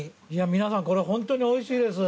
皆さんこれホントにおいしいです。